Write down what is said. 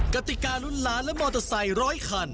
กติการุญร้านและมอเตอร์ไซค์๑๐๐คัน